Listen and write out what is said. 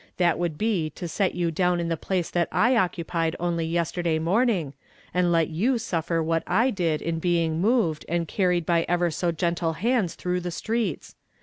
That would be to set you down in the place that I occupied only yesterday morning, and let you suffer what I did in being moved, and carried by ever so geritle hands through the streets.